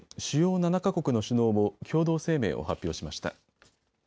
主要７か国の首脳も共同声明を発表しました。